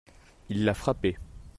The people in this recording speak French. Il l'a frappé.